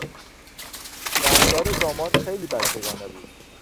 رفتار داماد خیلی بچگانه بود.